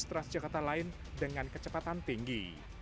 transjakarta lain dengan kecepatan tinggi